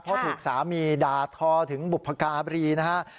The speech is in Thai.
เพราะถูกสามีด่าทอถึงบุพการีนะฮะ